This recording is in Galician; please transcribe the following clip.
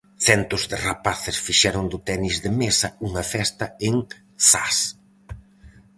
Centos de rapaces fixeron do tenis de mesa unha festa en Zas.